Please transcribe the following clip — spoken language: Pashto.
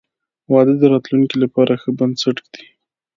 • واده د راتلونکي لپاره ښه بنسټ ږدي.